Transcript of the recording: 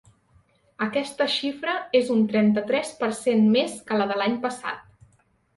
Aquesta xifra és un trenta-tres per cent més que la de l’any passat.